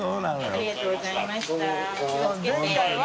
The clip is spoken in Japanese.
ありがとうございます。